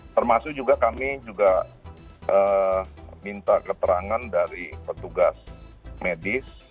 termasuk juga kami juga minta keterangan dari petugas medis